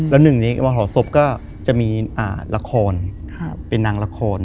แล้วหนึ่งในมหศพก็จะมีละครเป็นนางละคร